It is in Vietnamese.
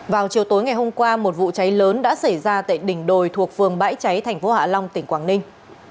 vào chiều tối ngày hôm qua một vụ cháy lớn đã xảy ra tại đỉnh đồi thuộc phường bãi cháy thành phố hạ long tỉnh quảng ninh